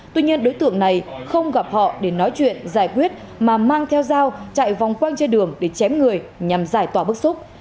tuy nhiên đối tượng này không gặp họ để nói chuyện giải quyết mà mang theo dao chạy vòng quanh trên đường để chém người nhằm giải tỏa bức xúc